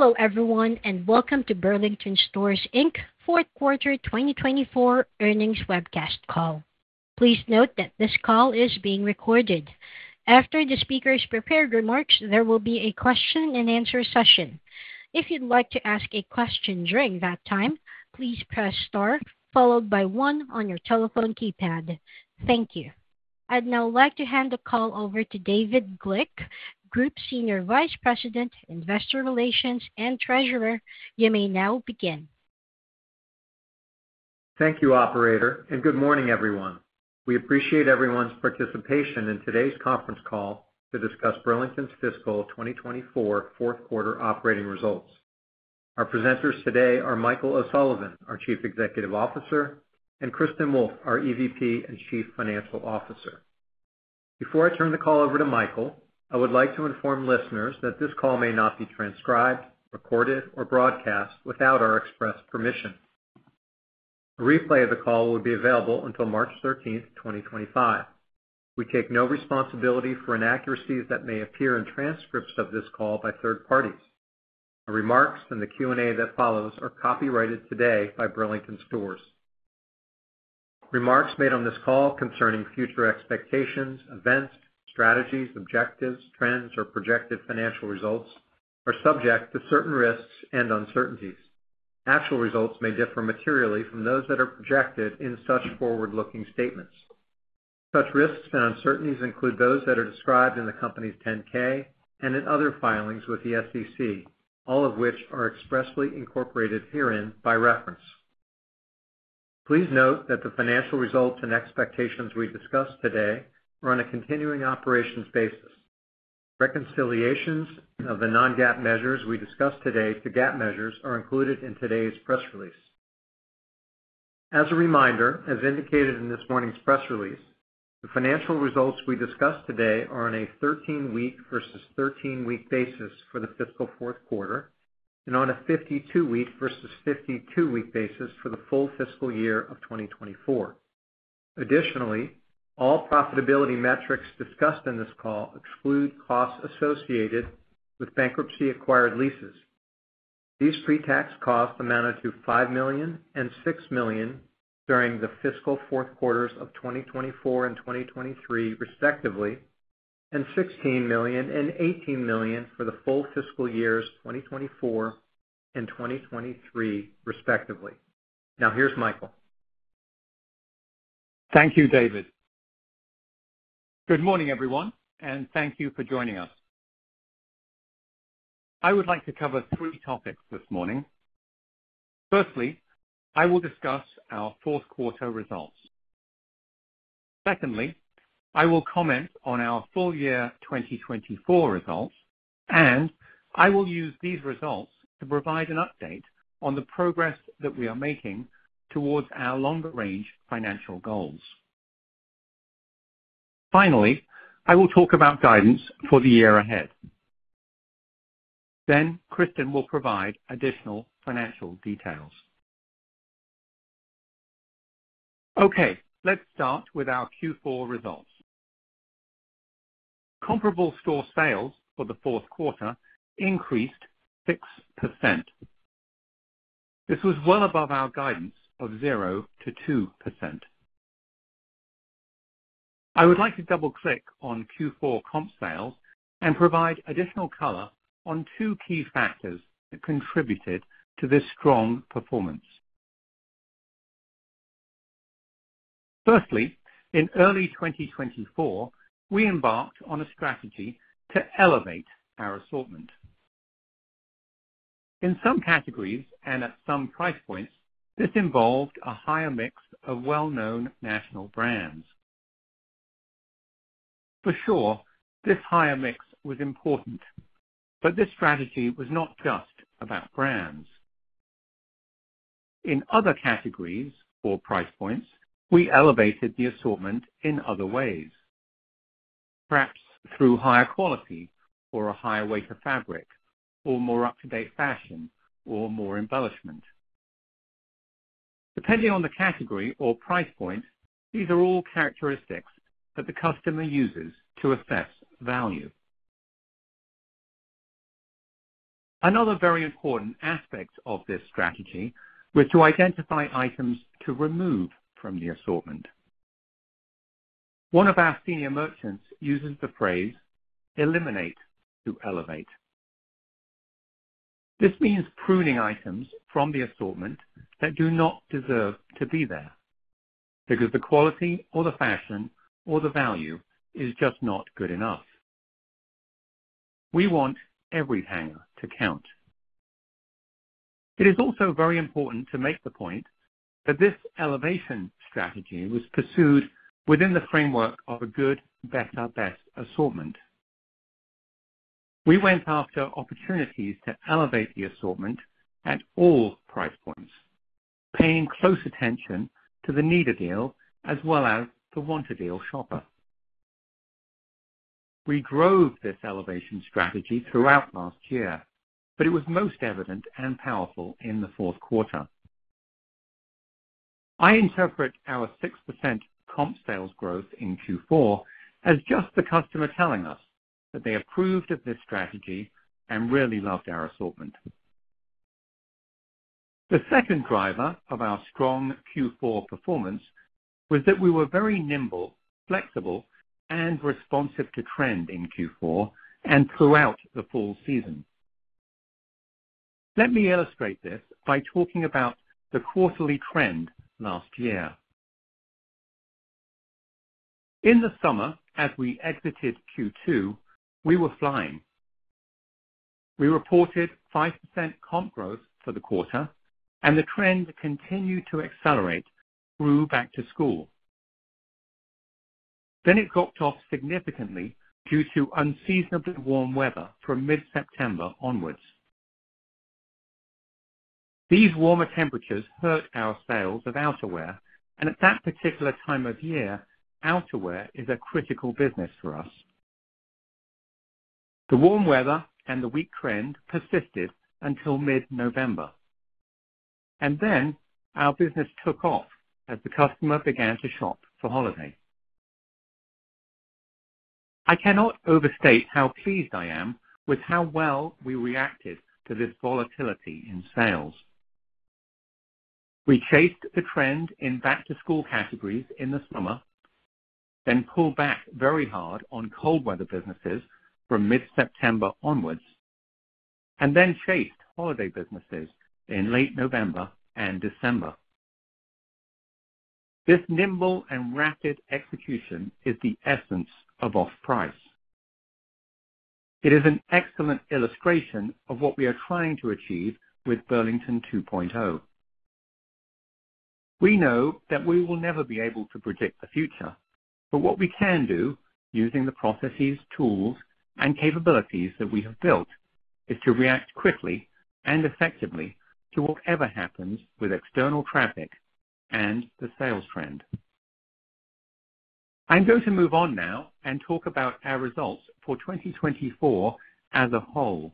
Hello everyone, and welcome to Burlington Stores, Inc fourth quarter 2024 earnings webcast call. Please note that this call is being recorded. After the speaker's prepared remarks, there will be a question-and-answer session. If you'd like to ask a question during that time, please press star, followed by one on your telephone keypad. Thank you. I'd now like to hand the call over to David Glick, Group Senior Vice President, Investor Relations, and Treasurer. You may now begin. Thank you, Operator, and good morning, everyone. We appreciate everyone's participation in today's conference call to discuss Burlington's fiscal 2024 fourth quarter operating results. Our presenters today are Michael O'Sullivan, our Chief Executive Officer, and Kristin Wolfe, our EVP and Chief Financial Officer. Before I turn the call over to Michael, I would like to inform listeners that this call may not be transcribed, recorded, or broadcast without our express permission. A replay of the call will be available until March 13th, 2025. We take no responsibility for inaccuracies that may appear in transcripts of this call by third parties. The remarks and the Q&A that follows are copyrighted today by Burlington Stores. Remarks made on this call concerning future expectations, events, strategies, objectives, trends, or projected financial results are subject to certain risks and uncertainties. Actual results may differ materially from those that are projected in such forward-looking statements. Such risks and uncertainties include those that are described in the company's 10-K and in other filings with the SEC, all of which are expressly incorporated herein by reference. Please note that the financial results and expectations we discuss today are on a continuing operations basis. Reconciliations of the non-GAAP measures we discuss today to GAAP measures are included in today's press release. As a reminder, as indicated in this morning's press release, the financial results we discuss today are on a 13-week versus 13-week basis for the fiscal fourth quarter and on a 52-week versus 52-week basis for the full fiscal year of 2024. Additionally, all profitability metrics discussed in this call exclude costs associated with bankruptcy-acquired leases. These pre-tax costs amounted to $5 million and $6 million during the fiscal fourth quarters of 2024 and 2023, respectively, and $16 million and $18 million for the full fiscal years 2024 and 2023, respectively. Now, here's Michael. Thank you, David. Good morning, everyone, and thank you for joining us. I would like to cover three topics this morning. Firstly, I will discuss our fourth quarter results. Secondly, I will comment on our full year 2024 results, and I will use these results to provide an update on the progress that we are making towards our longer-range financial goals. Finally, I will talk about guidance for the year ahead. Then Kristin will provide additional financial details. Okay, let's start with our Q4 results. Comparable store sales for the fourth quarter increased 6%. This was well above our guidance of 0%-2%. I would like to double-click on Q4 comp sales and provide additional color on two key factors that contributed to this strong performance. Firstly, in early 2024, we embarked on a strategy to elevate our assortment. In some categories and at some price points, this involved a higher mix of well-known national brands. For sure, this higher mix was important, but this strategy was not just about brands. In other categories or price points, we elevated the assortment in other ways, perhaps through higher quality or a higher weight of fabric or more up-to-date fashion or more embellishment. Depending on the category or price point, these are all characteristics that the customer uses to assess value. Another very important aspect of this strategy was to identify items to remove from the assortment. One of our senior merchants uses the phrase "eliminate to elevate." This means pruning items from the assortment that do not deserve to be there because the quality or the fashion or the value is just not good enough. We want every hanger to count. It is also very important to make the point that this elevation strategy was pursued within the framework of a good, better, best assortment. We went after opportunities to elevate the assortment at all price points, paying close attention to the need a deal as well as the want a deal shopper. We drove this elevation strategy throughout last year, but it was most evident and powerful in the fourth quarter. I interpret our 6% comp sales growth in Q4 as just the customer telling us that they approved of this strategy and really loved our assortment. The second driver of our strong Q4 performance was that we were very nimble, flexible, and responsive to trend in Q4 and throughout the fall season. Let me illustrate this by talking about the quarterly trend last year. In the summer, as we exited Q2, we were flying. We reported 5% comp growth for the quarter, and the trend continued to accelerate through back to school. Then it dropped off significantly due to unseasonably warm weather from mid-September onwards. These warmer temperatures hurt our sales of outerwear, and at that particular time of year, outerwear is a critical business for us. The warm weather and the weak trend persisted until mid-November, and then our business took off as the customer began to shop for holiday. I cannot overstate how pleased I am with how well we reacted to this volatility in sales. We chased the trend in back-to-school categories in the summer, then pulled back very hard on cold weather businesses from mid-September onwards, and then chased holiday businesses in late November and December. This nimble and rapid execution is the essence of off-price. It is an excellent illustration of what we are trying to achieve with Burlington 2.0. We know that we will never be able to predict the future, but what we can do using the processes, tools, and capabilities that we have built is to react quickly and effectively to whatever happens with external traffic and the sales trend. I'm going to move on now and talk about our results for 2024 as a whole.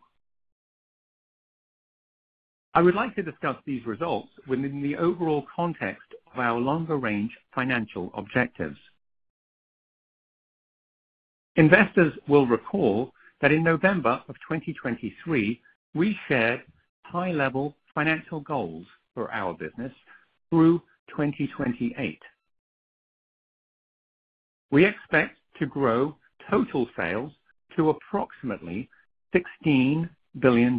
I would like to discuss these results within the overall context of our longer-range financial objectives. Investors will recall that in November of 2023, we shared high-level financial goals for our business through 2028. We expect to grow total sales to approximately $16 billion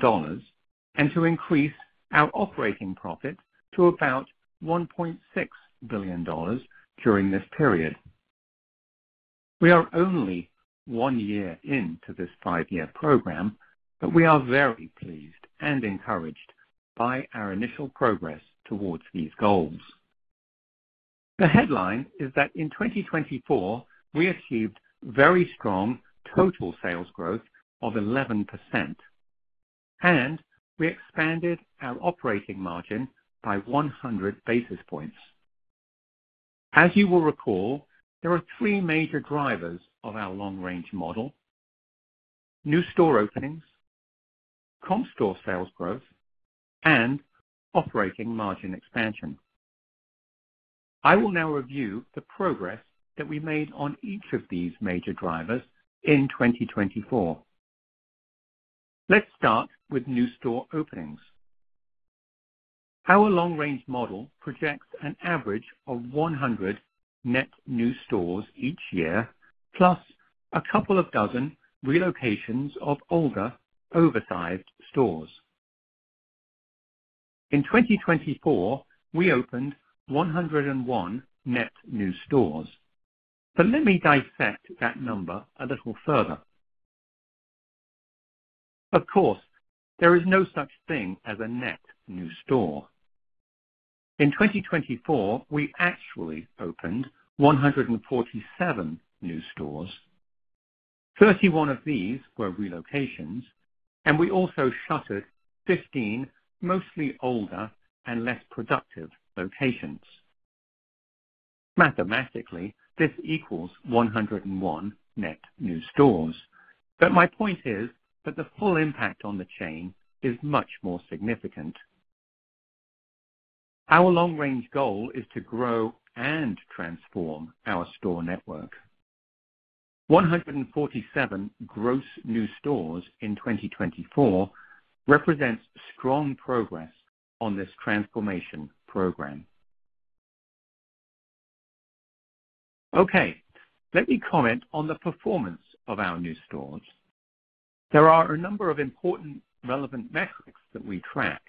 and to increase our operating profit to about $1.6 billion during this period. We are only one year into this five-year program, but we are very pleased and encouraged by our initial progress towards these goals. The headline is that in 2024, we achieved very strong total sales growth of 11%, and we expanded our operating margin by 100 basis points. As you will recall, there are three major drivers of our long-range model: new store openings, comp store sales growth, and operating margin expansion. I will now review the progress that we made on each of these major drivers in 2024. Let's start with new store openings. Our long-range model projects an average of 100 net new stores each year, plus a couple of dozen relocations of older, oversized stores. In 2024, we opened 101 net new stores, but let me dissect that number a little further. Of course, there is no such thing as a net new store. In 2024, we actually opened 147 new stores. 31 of these were relocations, and we also shuttered 15 mostly older and less productive locations. Mathematically, this equals 101 net new stores, but my point is that the full impact on the chain is much more significant. Our long-range goal is to grow and transform our store network. 147 gross new stores in 2024 represents strong progress on this transformation program. Okay, let me comment on the performance of our new stores. There are a number of important relevant metrics that we track.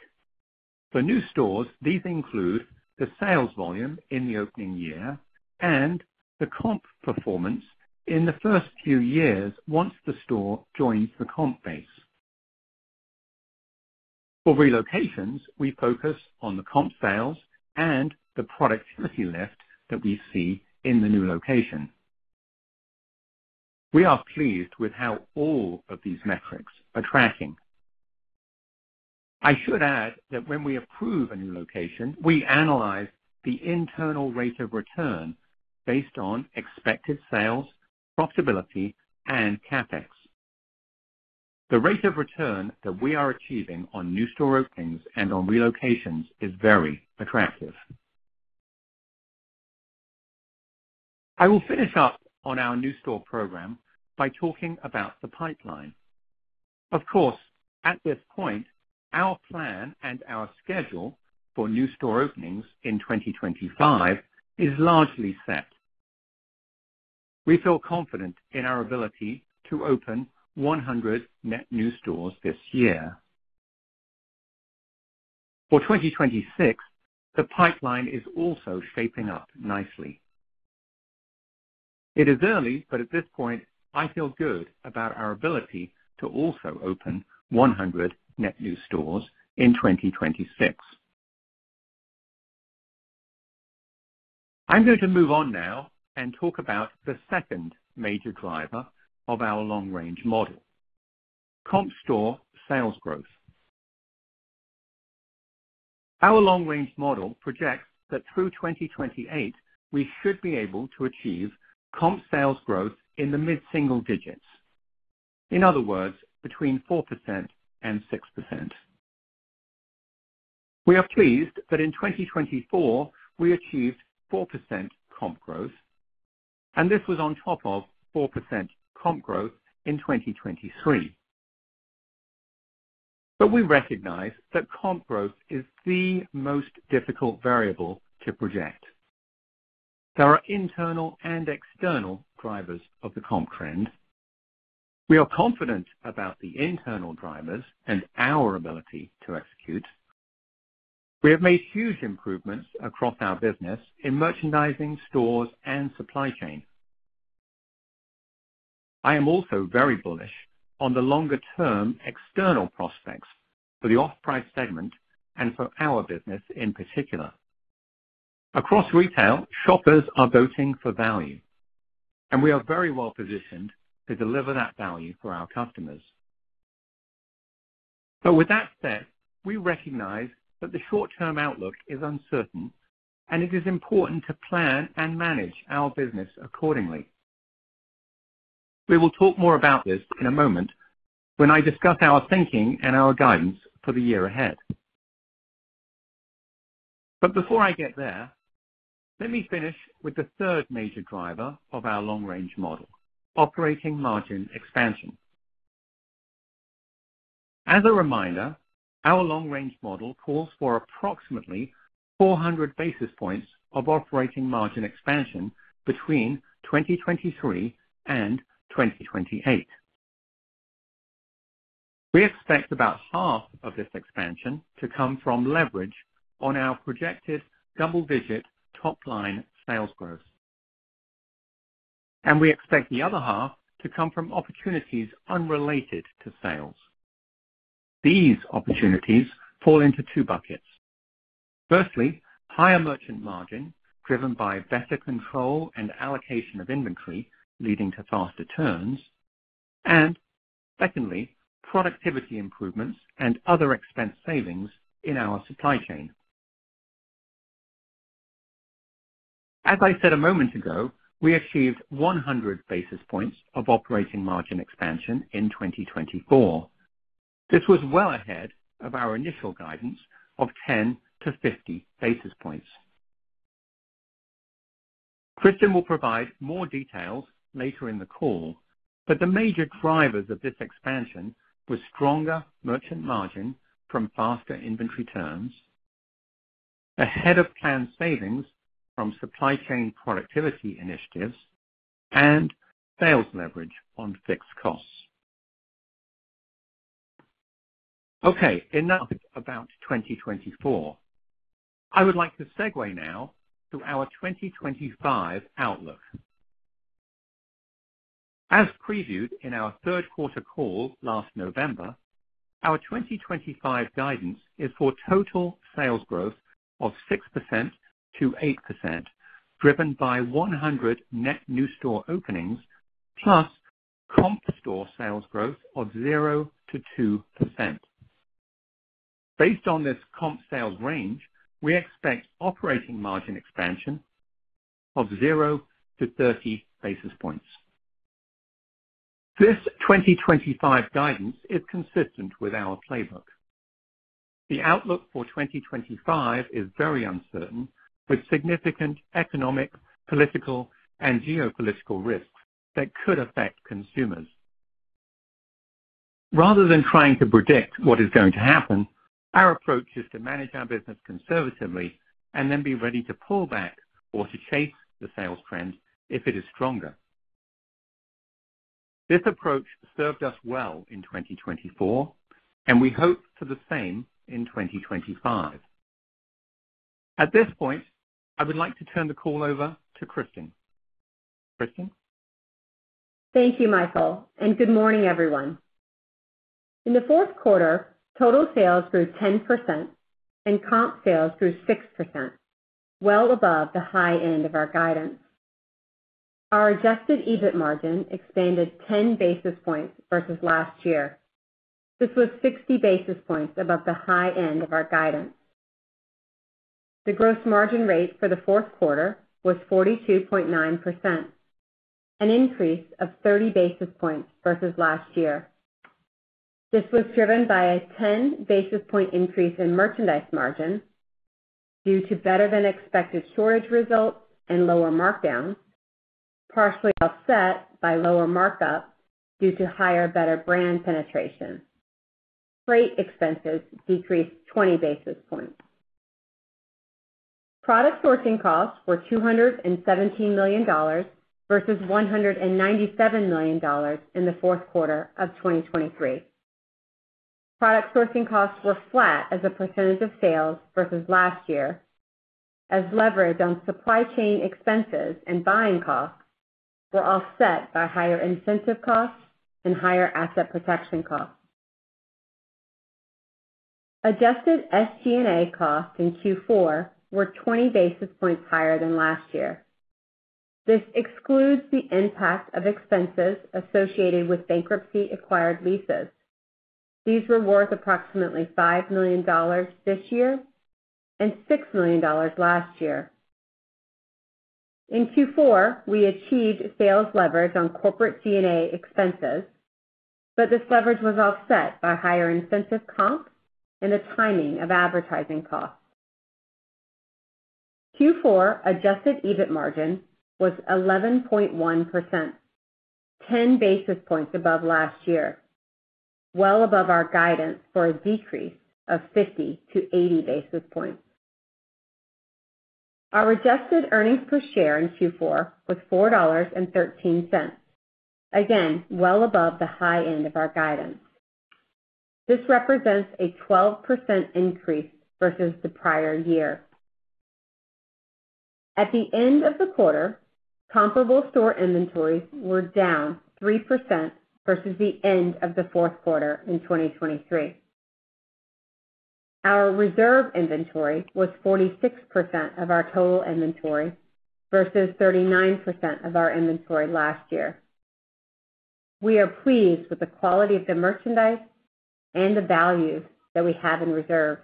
For new stores, these include the sales volume in the opening year and the comp performance in the first few years once the store joins the comp base. For relocations, we focus on the comp sales and the productivity lift that we see in the new location. We are pleased with how all of these metrics are tracking. I should add that when we approve a new location, we analyze the Internal Rate of Return based on expected sales, profitability, and CapEx. The rate of return that we are achieving on new store openings and on relocations is very attractive. I will finish up on our new store program by talking about the pipeline. Of course, at this point, our plan and our schedule for new store openings in 2025 is largely set. We feel confident in our ability to open 100 net new stores this year. For 2026, the pipeline is also shaping up nicely. It is early, but at this point, I feel good about our ability to also open 100 net new stores in 2026. I'm going to move on now and talk about the second major driver of our long-range model: comp store sales growth. Our long-range model projects that through 2028, we should be able to achieve comp sales growth in the mid-single digits, in other words, between 4% and 6%. We are pleased that in 2024, we achieved 4% comp growth, and this was on top of 4% comp growth in 2023. But we recognize that comp growth is the most difficult variable to project. There are internal and external drivers of the comp trend. We are confident about the internal drivers and our ability to execute. We have made huge improvements across our business in merchandising, stores, and supply chain. I am also very bullish on the longer-term external prospects for the off-price segment and for our business in particular. Across retail, shoppers are voting for value, and we are very well positioned to deliver that value for our customers. But with that said, we recognize that the short-term outlook is uncertain, and it is important to plan and manage our business accordingly. We will talk more about this in a moment when I discuss our thinking and our guidance for the year ahead. But before I get there, let me finish with the third major driver of our long-range model: operating margin expansion. As a reminder, our long-range model calls for approximately 400 basis points of operating margin expansion between 2023 and 2028. We expect about half of this expansion to come from leverage on our projected double-digit top-line sales growth, and we expect the other half to come from opportunities unrelated to sales. These opportunities fall into two buckets. Firstly, higher merchandise margin driven by better control and allocation of inventory leading to faster turns, and secondly, productivity improvements and other expense savings in our supply chain. As I said a moment ago, we achieved 100 basis points of operating margin expansion in 2024. This was well ahead of our initial guidance of 10 to 50 basis points. Kristin will provide more details later in the call, but the major drivers of this expansion were stronger merchant margin from faster inventory turns, ahead-of-plan savings from supply chain productivity initiatives, and sales leverage on fixed costs. Okay, enough about 2024. I would like to segue now to our 2025 outlook. As previewed in our third-quarter call last November, our 2025 guidance is for total sales growth of 6%-8%, driven by 100 net new store openings plus comp store sales growth of 0-2%. Based on this comp sales range, we expect operating margin expansion of 0-30 basis points. This 2025 guidance is consistent with our playbook. The outlook for 2025 is very uncertain, with significant economic, political, and geopolitical risks that could affect consumers. Rather than trying to predict what is going to happen, our approach is to manage our business conservatively and then be ready to pull back or to chase the sales trend if it is stronger. This approach served us well in 2024, and we hope for the same in 2025. At this point, I would like to turn the call over to Kristin. Kristin? Thank you, Michael, and good morning, everyone. In the fourth quarter, total sales grew 10%, and comp sales grew 6%, well above the high end of our guidance. Our adjusted EBIT margin expanded 10 basis points versus last year. This was 60 basis points above the high end of our guidance. The gross margin rate for the fourth quarter was 42.9%, an increase of 30 basis points versus last year. This was driven by a 10 basis point increase in merchandise margin due to better-than-expected sourcing results and lower markdowns, partially offset by lower markup due to higher, better brand penetration. Freight expenses decreased 20 basis points. Product sourcing costs were $217 million versus $197 million in the fourth quarter of 2023. Product sourcing costs were flat as a percentage of sales versus last year, as leverage on supply chain expenses and buying costs were offset by higher incentive costs and higher asset protection costs. Adjusted SG&A costs in Q4 were 20 basis points higher than last year. This excludes the impact of expenses associated with bankruptcy-acquired leases. These were worth approximately $5 million this year and $6 million last year. In Q4, we achieved sales leverage on corporate G&A expenses, but this leverage was offset by higher incentive comp and the timing of advertising costs. Q4 adjusted EBIT margin was 11.1%, 10 basis points above last year, well above our guidance for a decrease of 50-80 basis points. Our adjusted earnings per share in Q4 was $4.13, again well above the high end of our guidance. This represents a 12% increase versus the prior year. At the end of the quarter, comparable store inventories were down 3% versus the end of the fourth quarter in 2023. Our reserve inventory was 46% of our total inventory versus 39% of our inventory last year. We are pleased with the quality of the merchandise and the values that we have in reserve.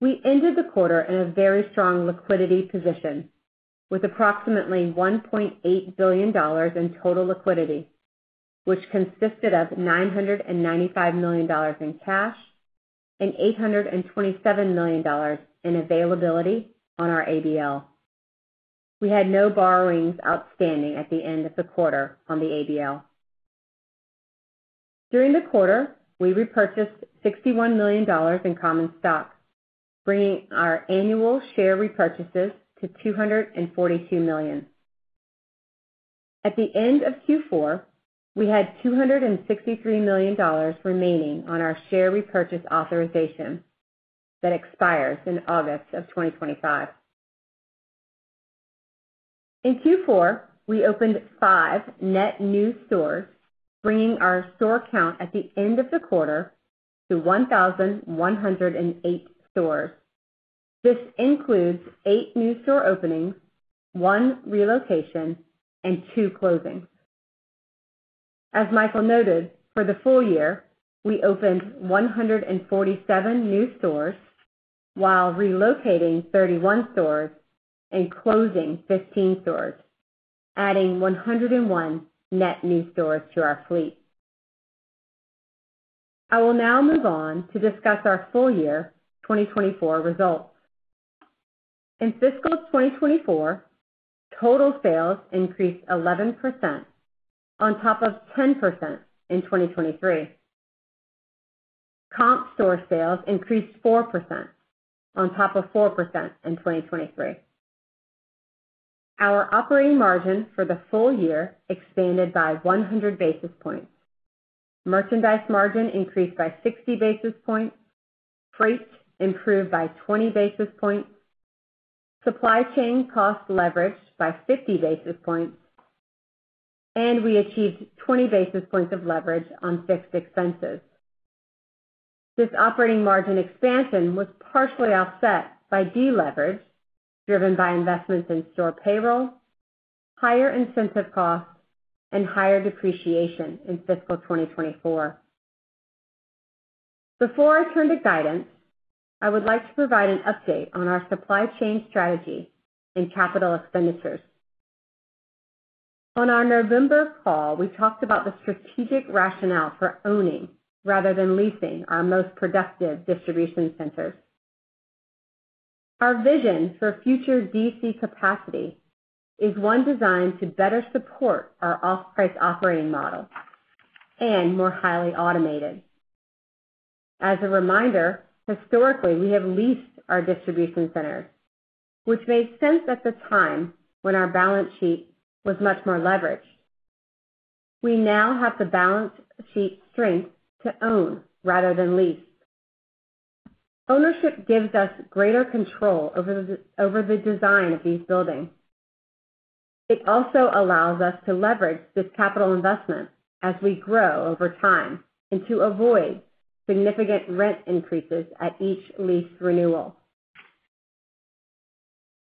We ended the quarter in a very strong liquidity position, with approximately $1.8 billion in total liquidity, which consisted of $995 million in cash and $827 million in availability on our ABL. We had no borrowings outstanding at the end of the quarter on the ABL. During the quarter, we repurchased $61 million in common stock, bringing our annual share repurchases to $242 million. At the end of Q4, we had $263 million remaining on our share repurchase authorization that expires in August of 2025. In Q4, we opened five net new stores, bringing our store count at the end of the quarter to 1,108 stores. This includes eight new store openings, one relocation, and two closings. As Michael noted, for the full year, we opened 147 new stores while relocating 31 stores and closing 15 stores, adding 101 net new stores to our fleet. I will now move on to discuss our full year 2024 results. In fiscal 2024, total sales increased 11% on top of 10% in 2023. Comp store sales increased 4% on top of 4% in 2023. Our operating margin for the full year expanded by 100 basis points. Merchandise margin increased by 60 basis points. Freight improved by 20 basis points. Supply chain cost leveraged by 50 basis points, and we achieved 20 basis points of leverage on fixed expenses. This operating margin expansion was partially offset by deleverage, driven by investments in store payroll, higher incentive costs, and higher depreciation in fiscal 2024. Before I turn to guidance, I would like to provide an update on our supply chain strategy and capital expenditures. On our November call, we talked about the strategic rationale for owning rather than leasing our most productive distribution centers. Our vision for future DC capacity is one designed to better support our off-price operating model and more highly automated. As a reminder, historically, we have leased our distribution centers, which made sense at the time when our balance sheet was much more leveraged. We now have the balance sheet strength to own rather than lease. Ownership gives us greater control over the design of these buildings. It also allows us to leverage this capital investment as we grow over time and to avoid significant rent increases at each lease renewal.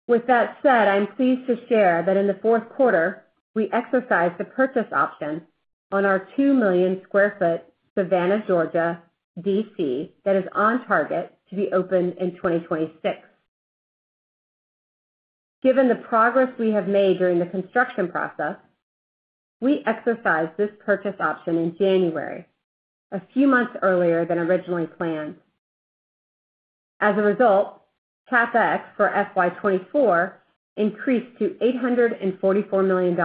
With that said, I'm pleased to share that in the fourth quarter, we exercised the purchase option on our 2 million sq ft Savannah, Georgia, DC that is on target to be opened in 2026. Given the progress we have made during the construction process, we exercised this purchase option in January, a few months earlier than originally planned. As a result, CapEx for FY 2024 increased to $844 million,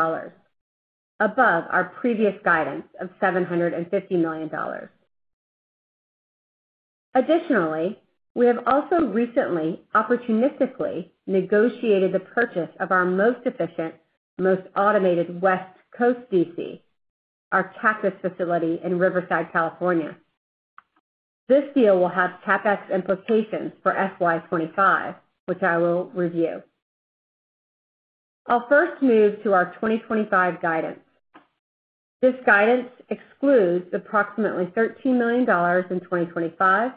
above our previous guidance of $750 million. Additionally, we have also recently opportunistically negotiated the purchase of our most efficient, most automated West Coast DC, our Cactus facility in Riverside, California. This deal will have CapEx implications for FY 2025, which I will review. I'll first move to our 2025 guidance. This guidance excludes approximately $13 million in 2025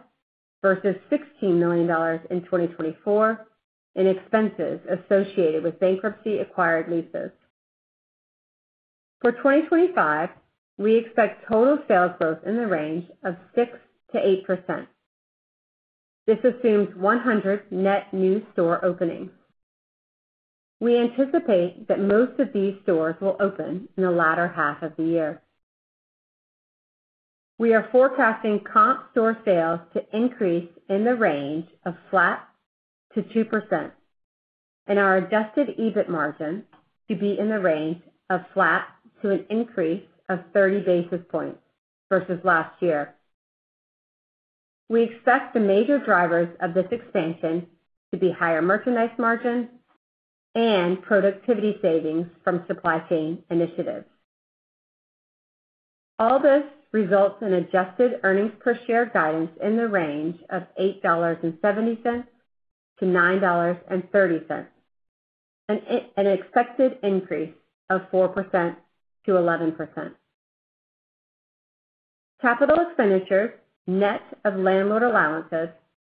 versus $16 million in 2024 in expenses associated with bankruptcy-acquired leases. For 2025, we expect total sales growth in the range of 6%-8%. This assumes 100 net new store openings. We anticipate that most of these stores will open in the latter half of the year. We are forecasting comp store sales to increase in the range of flat to 2% and our adjusted EBIT margin to be in the range of flat to an increase of 30 basis points versus last year. We expect the major drivers of this expansion to be higher merchandise margin and productivity savings from supply chain initiatives. All this results in adjusted earnings per share guidance in the range of $8.70-$9.30, an expected increase of 4%-11%. Capital expenditures net of landlord allowances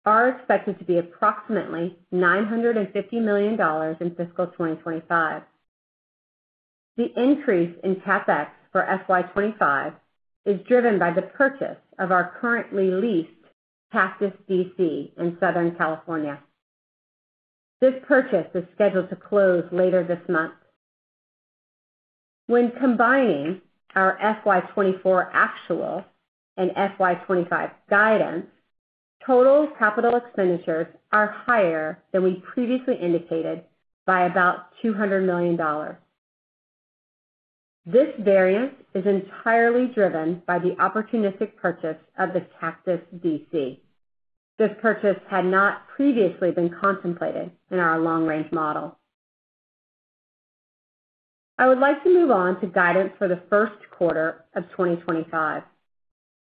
are expected to be approximately $950 million in fiscal 2025. The increase in CapEx for FY 2025 is driven by the purchase of our currently leased Cactus DC in Southern California. This purchase is scheduled to close later this month. When combining our FY 2024 actual and FY 2025 guidance, total capital expenditures are higher than we previously indicated by about $200 million. This variance is entirely driven by the opportunistic purchase of the Cactus DC. This purchase had not previously been contemplated in our long-range model. I would like to move on to guidance for the first quarter of 2025.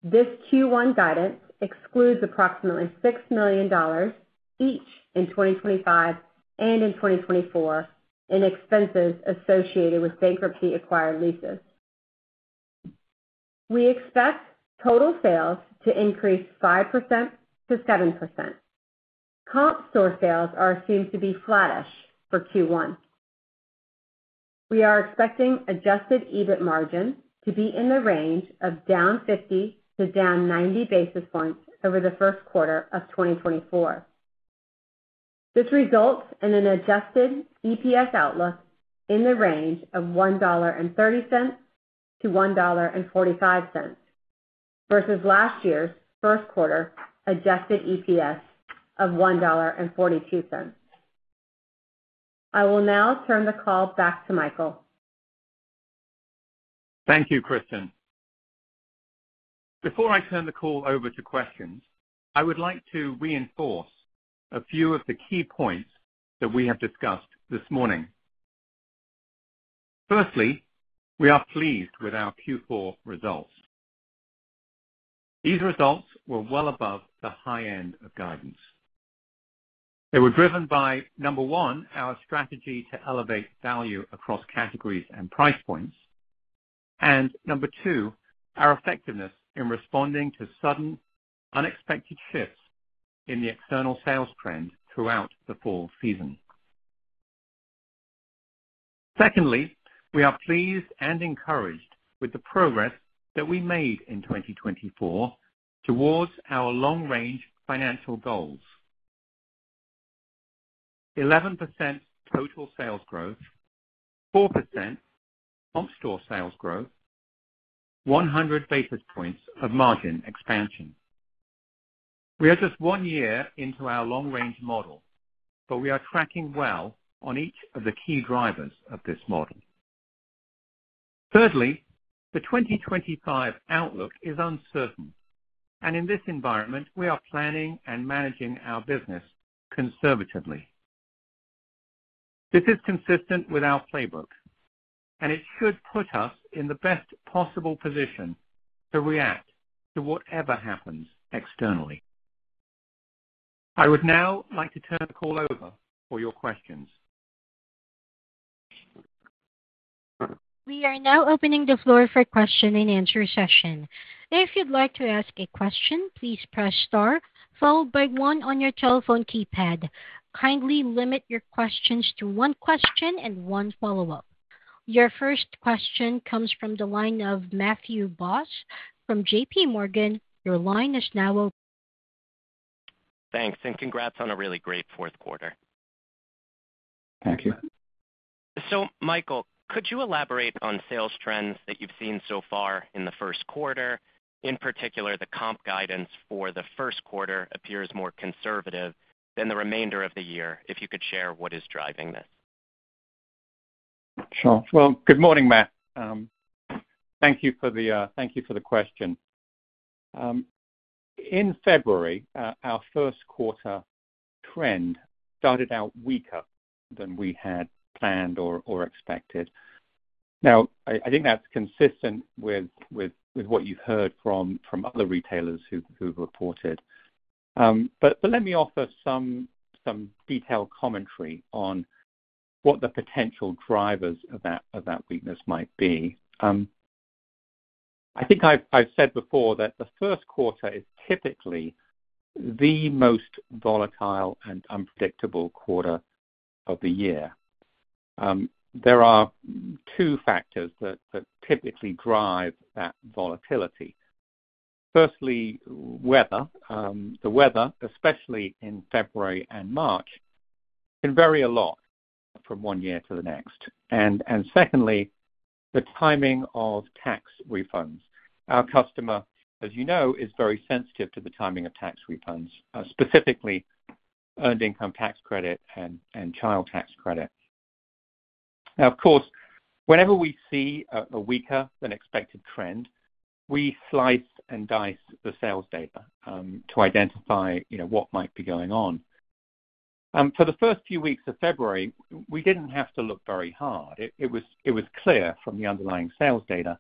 This Q1 guidance excludes approximately $6 million each in 2025 and in 2024 in expenses associated with bankruptcy-acquired leases. We expect total sales to increase 5%-7%. Comp store sales are assumed to be flattish for Q1. We are expecting adjusted EBIT margin to be in the range of down 50-down 90 basis points over the first quarter of 2024. This results in an adjusted EPS outlook in the range of $1.30-$1.45 versus last year's first quarter adjusted EPS of $1.42. I will now turn the call back to Michael. Thank you, Kristin. Before I turn the call over to questions, I would like to reinforce a few of the key points that we have discussed this morning. Firstly, we are pleased with our Q4 results. These results were well above the high end of guidance. They were driven by, number one, our strategy to elevate value across categories and price points, and number two, our effectiveness in responding to sudden, unexpected shifts in the external sales trend throughout the fall season. Secondly, we are pleased and encouraged with the progress that we made in 2024 towards our long-range financial goals: 11% total sales growth, 4% comp store sales growth, 100 basis points of margin expansion. We are just one year into our long-range model, but we are tracking well on each of the key drivers of this model. Thirdly, the 2025 outlook is uncertain, and in this environment, we are planning and managing our business conservatively. This is consistent with our playbook, and it should put us in the best possible position to react to whatever happens externally. I would now like to turn the call over for your questions. We are now opening the floor for a question-and-answer session. If you'd like to ask a question, please press star followed by one on your telephone keypad. Kindly limit your questions to one question and one follow-up. Your first question comes from the line of Matthew Boss from JPMorgan. Your line is now open. Thanks. And congrats on a really great fourth quarter. Thank you. So, Michael, could you elaborate on sales trends that you've seen so far in the first quarter? In particular, the comp guidance for the first quarter appears more conservative than the remainder of the year. If you could share what is driving this? Sure. Well, good morning, Matt. Thank you for the question. In February, our first quarter trend started out weaker than we had planned or expected. Now, I think that's consistent with what you've heard from other retailers who've reported. But let me offer some detailed commentary on what the potential drivers of that weakness might be. I think I've said before that the first quarter is typically the most volatile and unpredictable quarter of the year. There are two factors that typically drive that volatility. Firstly, weather. The weather, especially in February and March, can vary a lot from one year to the next. And secondly, the timing of tax refunds. Our customer, as you know, is very sensitive to the timing of tax refunds, specifically Earned Income Tax Credit and Child Tax Credit. Now, of course, whenever we see a weaker-than-expected trend, we slice and dice the sales data to identify what might be going on. For the first few weeks of February, we didn't have to look very hard. It was clear from the underlying sales data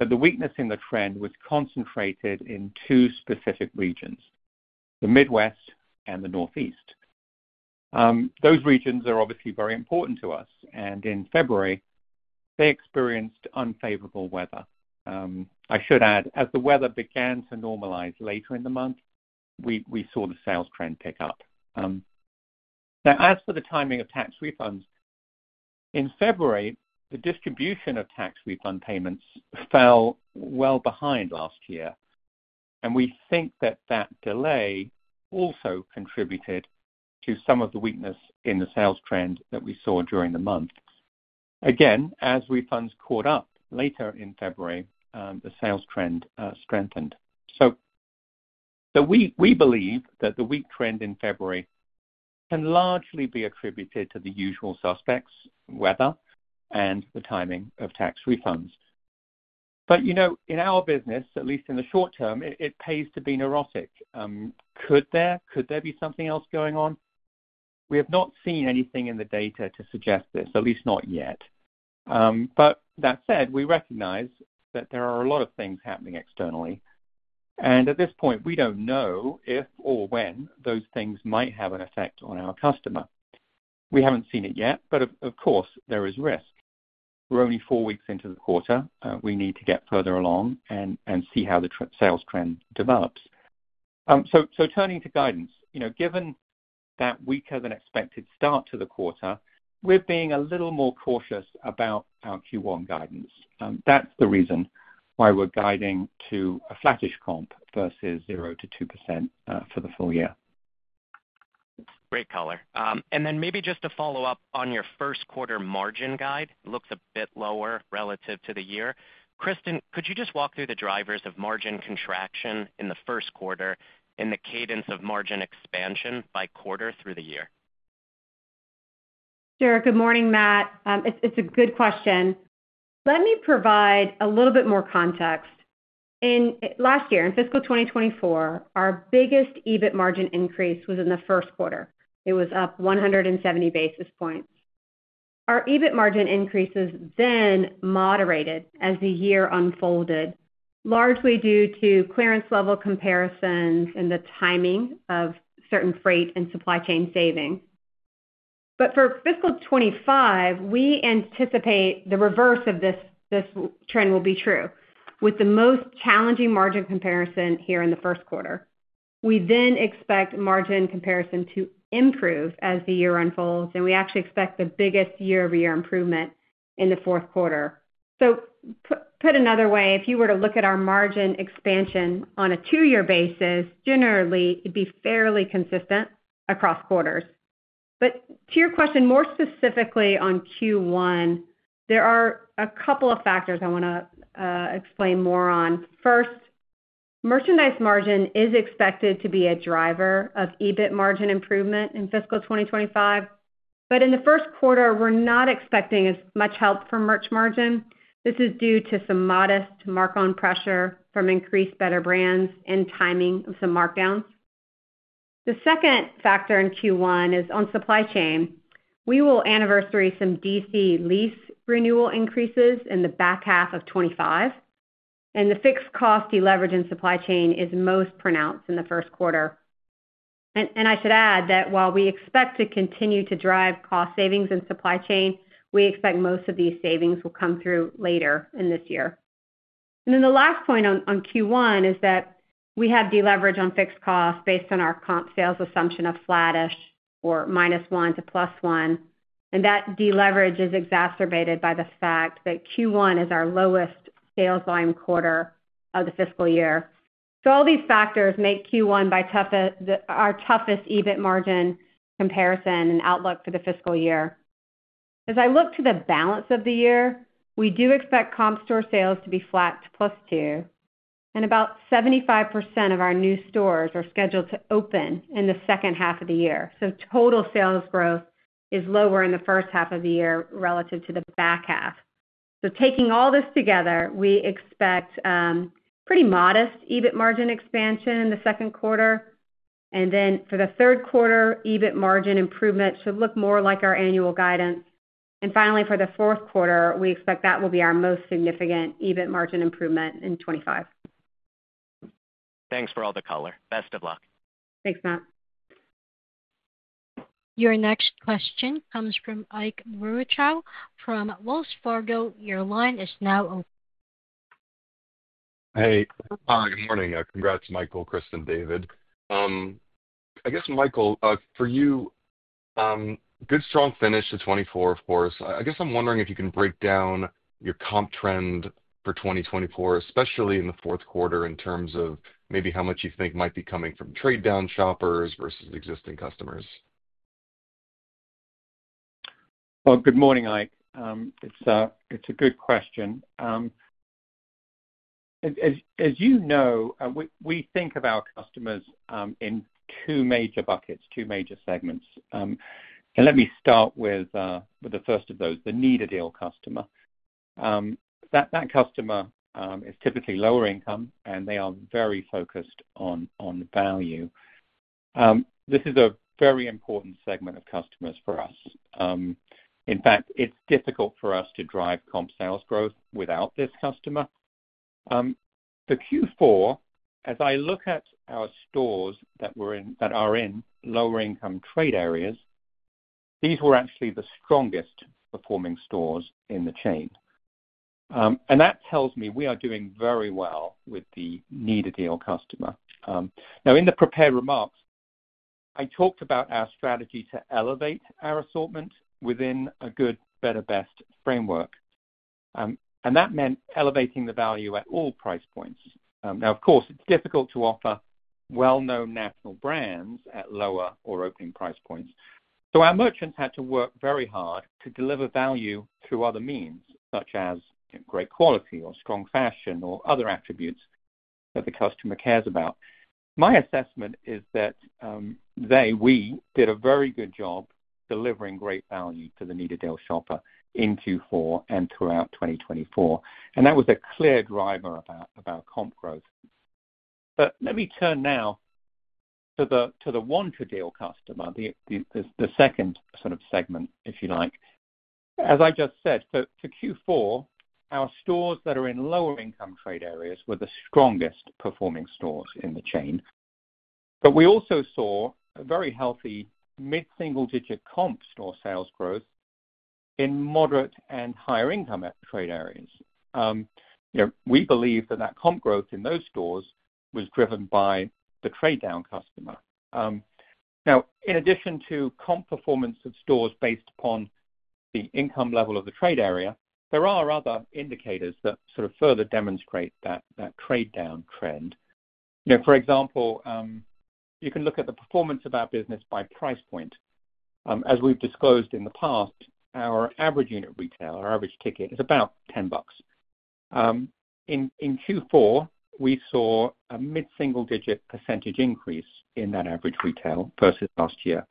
that the weakness in the trend was concentrated in two specific regions: the Midwest and the Northeast. Those regions are obviously very important to us, and in February, they experienced unfavorable weather. I should add, as the weather began to normalize later in the month, we saw the sales trend pick up. Now, as for the timing of tax refunds, in February, the distribution of tax refund payments fell well behind last year. We think that that delay also contributed to some of the weakness in the sales trend that we saw during the month. Again, as refunds caught up later in February, the sales trend strengthened. We believe that the weak trend in February can largely be attributed to the usual suspects: weather and the timing of tax refunds. In our business, at least in the short term, it pays to be neurotic. Could there be something else going on? We have not seen anything in the data to suggest this, at least not yet. That said, we recognize that there are a lot of things happening externally. At this point, we don't know if or when those things might have an effect on our customer. We haven't seen it yet, but of course, there is risk. We're only four weeks into the quarter. We need to get further along and see how the sales trend develops. So turning to guidance, given that weaker-than-expected start to the quarter, we're being a little more cautious about our Q1 guidance. That's the reason why we're guiding to a flattish comp versus 0%-2% for the full year. Great color. And then maybe just to follow up on your first quarter margin guide, it looks a bit lower relative to the year. Kristin, could you just walk through the drivers of margin contraction in the first quarter and the cadence of margin expansion by quarter through the year? Sure. Good morning, Matt. It's a good question. Let me provide a little bit more context. Last year, in fiscal 2024, our biggest EBIT margin increase was in the first quarter. It was up 170 basis points. Our EBIT margin increases then moderated as the year unfolded, largely due to clearance level comparisons and the timing of certain freight and supply chain savings. But for fiscal 2025, we anticipate the reverse of this trend will be true, with the most challenging margin comparison here in the first quarter. We then expect margin comparison to improve as the year unfolds, and we actually expect the biggest year-over-year improvement in the fourth quarter. So put another way, if you were to look at our margin expansion on a two-year basis, generally, it'd be fairly consistent across quarters. But to your question, more specifically on Q1, there are a couple of factors I want to explain more on. First, merchandise margin is expected to be a driver of EBIT margin improvement in fiscal 2025. But in the first quarter, we're not expecting as much help from merch margin. This is due to some modest mark-on pressure from increased better brands and timing of some markdowns. The second factor in Q1 is on supply chain. We will anniversary some DC lease renewal increases in the back half of 2025. And the fixed cost deleveraging supply chain is most pronounced in the first quarter. And I should add that while we expect to continue to drive cost savings in supply chain, we expect most of these savings will come through later in this year. And then the last point on Q1 is that we have deleverage on fixed costs based on our comp sales assumption of flattish or -1% to +1%. And that deleverage is exacerbated by the fact that Q1 is our lowest sales volume quarter of the fiscal year. So all these factors make Q1 our toughest EBIT margin comparison and outlook for the fiscal year. As I look to the balance of the year, we do expect comp store sales to be flat to plus 2%. And about 75% of our new stores are scheduled to open in the second half of the year, so total sales growth is lower in the first half of the year relative to the back half, so taking all this together, we expect pretty modest EBIT margin expansion in the second quarter, and then for the third quarter, EBIT margin improvement should look more like our annual guidance, and finally, for the fourth quarter, we expect that will be our most significant EBIT margin improvement in 2025. Thanks for all the color. Best of luck. Thanks, Matt. Your next question comes from Ike Boruchow from Wells Fargo. Your line is now open. Hey. Hi. Good morning. Congrats, Michael, Kristin, David. I guess, Michael, for you, good strong finish to 2024, of course. I guess I'm wondering if you can break down your comp trend for 2024, especially in the fourth quarter, in terms of maybe how much you think might be coming from trade-down shoppers versus existing customers. Well, good morning, Ike. It's a good question. As you know, we think of our customers in two major buckets, two major segments. And let me start with the first of those, the need a deal customer. That customer is typically lower income, and they are very focused on value. This is a very important segment of customers for us. In fact, it's difficult for us to drive comp sales growth without this customer. For Q4, as I look at our stores that are in lower-income trade areas, these were actually the strongest-performing stores in the chain. That tells me we are doing very well with the need a deal customer. Now, in the prepared remarks, I talked about our strategy to elevate our assortment within a good, better, best framework. That meant elevating the value at all price points. Now, of course, it's difficult to offer well-known national brands at lower or opening price points. Our merchants had to work very hard to deliver value through other means, such as great quality or strong fashion or other attributes that the customer cares about. My assessment is that they, we, did a very good job delivering great value to the need a deal shopper in Q4 and throughout 2024. That was a clear driver of our comp growth. Let me turn now to the want a deal customer, the second sort of segment, if you like. As I just said, for Q4, our stores that are in lower-income trade areas were the strongest-performing stores in the chain. But we also saw a very healthy mid-single-digit comp store sales growth in moderate and higher-income trade areas. We believe that that comp growth in those stores was driven by the trade-down customer. Now, in addition to comp performance of stores based upon the income level of the trade area, there are other indicators that sort of further demonstrate that trade-down trend. For example, you can look at the performance of our business by price point. As we've disclosed in the past, our average unit retail, our average ticket, is about $10. In Q4, we saw a mid-single-digit percentage increase in that average retail versus last year.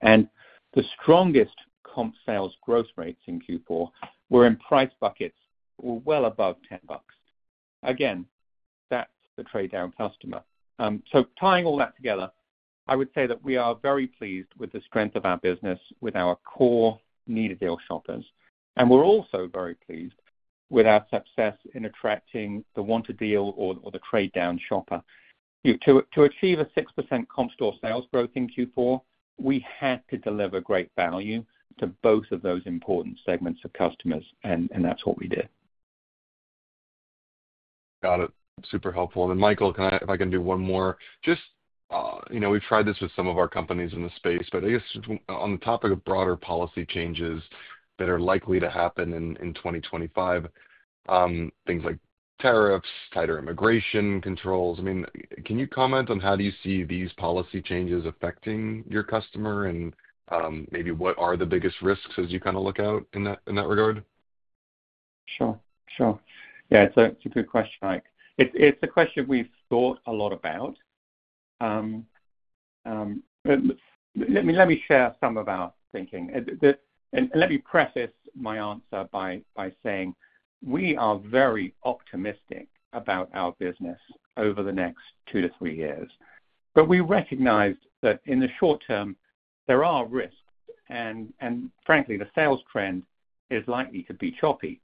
And the strongest comp sales growth rates in Q4 were in price buckets that were well above $10. Again, that's the trade-down customer. So tying all that together, I would say that we are very pleased with the strength of our business with our core need a deal shoppers. And we're also very pleased with our success in attracting the want a deal or the trade-down shopper. To achieve a 6% comp store sales growth in Q4, we had to deliver great value to both of those important segments of customers, and that's what we did. Got it. Super helpful. And then, Michael, if I can do one more. Just we've tried this with some of our companies in the space, but I guess on the topic of broader policy changes that are likely to happen in 2025, things like tariffs, tighter immigration controls. I mean, can you comment on how you see these policy changes affecting your customer and maybe what are the biggest risks as you kind of look out in that regard? Sure. Sure. Yeah, it's a good question, Ike. It's a question we've thought a lot about. Let me share some of our thinking. And let me preface my answer by saying we are very optimistic about our business over the next two to three years. But we recognize that in the short term, there are risks. And frankly, the sales trend is likely to be choppy.